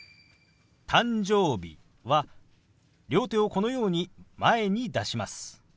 「誕生日」は両手をこのように前に出します。